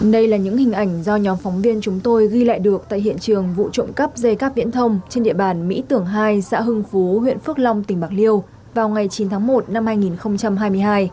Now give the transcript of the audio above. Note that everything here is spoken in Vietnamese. đây là những hình ảnh do nhóm phóng viên chúng tôi ghi lại được tại hiện trường vụ trộm cắp dây cắp viễn thông trên địa bàn mỹ tưởng hai xã hưng phú huyện phước long tỉnh bạc liêu vào ngày chín tháng một năm hai nghìn hai mươi hai